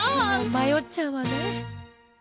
まよっちゃうわね。